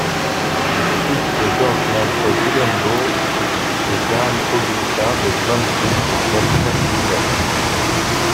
Fils de Georges de Nassau-Dillenbourg et d'Anne-Augusta de Brunswick-Wolfenbüttel.